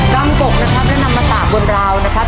ำกกนะครับแล้วนำมาตากบนราวนะครับ